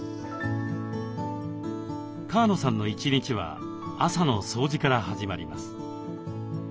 川野さんの一日は朝の掃除から始まります。